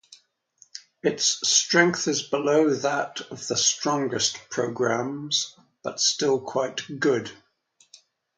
Its strength is below that of the strongest programs, but still quite good.